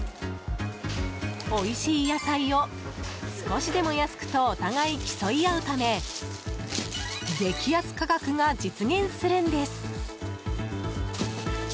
おいしい野菜を、少しでも安くとお互い、競い合うため激安価格が実現するんです。